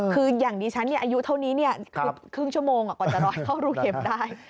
คืออย่างดิฉันอายุเท่านี้คือครึ่งชั่วโมงกว่าจะร้อยเข้ารูเข็มได้